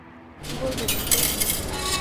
কী বলবেন ওকে?